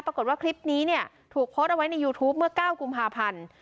ปรากฏว่าคลิปนี้เนี่ยถูกโพสต์เอาไว้ในยูทูปเมื่อ๙กุมภาพันธ์